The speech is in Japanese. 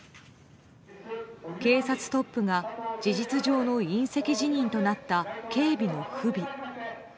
警察トップが事実上の引責辞任となった警備の不備。